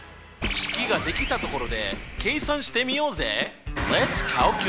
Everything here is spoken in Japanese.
式ができたところで計算してみようぜ！